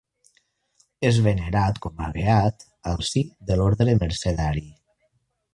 És venerat com a beat al si de l'Orde Mercedari.